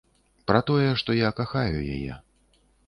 Пра тое, што я кахаю яе.